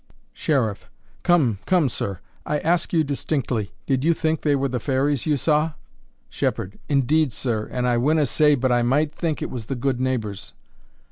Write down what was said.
Sheriff. Come, come sir! I ask you distinctly, did you think they were the fairies you saw? Shepherd. Indeed, sir, and I winna say but I might think it was the Good Neighbours.